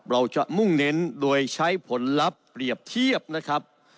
มุ่งเน้นโดยใช้ผลลัพธ์เปรียบเทียบนะครับ